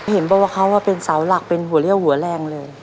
เห็นบอกว่าเขาเป็นเสาหลักเป็นหัวเลี่ยวหัวแรงเลย